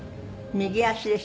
右の足です。